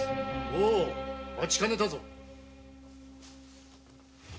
・お待ちかねたぞ。